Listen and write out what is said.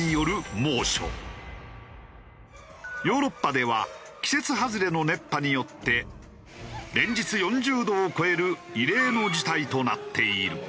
ヨーロッパでは季節外れの熱波によって連日４０度を超える異例の事態となっている。